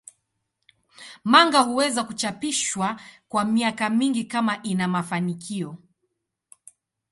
Manga huweza kuchapishwa kwa miaka mingi kama ina mafanikio.